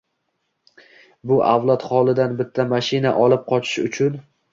Bu avlod xolidan bitta mashina olib qochish uchun...